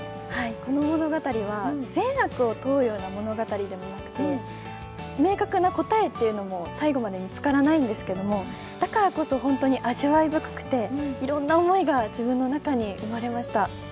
この物語は、善悪を問うような物語でもなくて、明確な答えっていうのも最後まで見つからないんですけど、だからこそ本当に味わい深くて、いろんな思いが自分の中に生まれました。